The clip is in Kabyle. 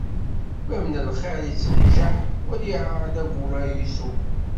Bab n lxiṛ ittenjaḥ, wali ɛad aburaysu!